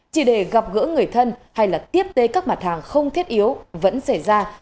chỉ để gặp gỡ người thân hay là tiếp tế các mặt hàng không thiết yếu vẫn xảy ra